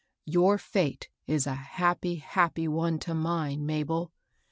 Your fate is a happy, happy one to mine, Mabel.